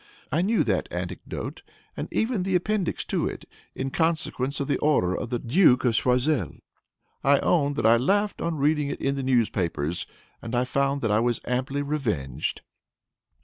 I knew that anecdote, and even the appendix to it, in consequence of the order of the Duke of Choiseul. I own that I laughed on reading it in the newspapers, and I found that I was amply revenged."